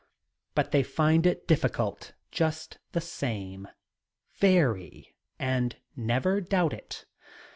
But they find it difficult, just them same very , and never doubt it.